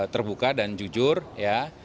terbuka dan jujur ya